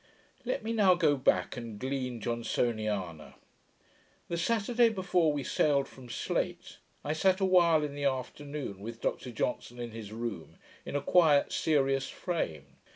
Let me now go back, and glean Johnsoniana. The Saturday before we sailed from Slate, I sat awhile in the afternoon with Dr Johnson in his room, in a quiet serious frame.